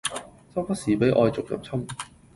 周不時俾外族入侵